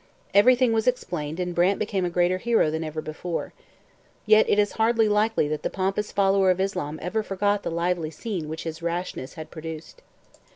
Everything was explained and Brant became a greater hero than ever before. Yet it is hardly likely that the pompous follower of Islam ever forgot the lively scene which his rashness had produced.